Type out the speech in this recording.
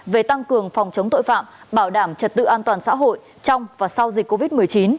về tăng cường phòng chống tội phạm bảo đảm trật tự an toàn xã hội trong và sau dịch covid một mươi chín